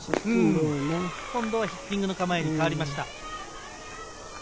今度はヒッティングの構えに変わりました。